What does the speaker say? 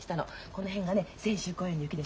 この辺がね千秋公園の雪でしょ。